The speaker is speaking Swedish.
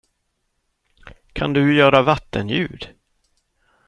Kan du göra vattenljud?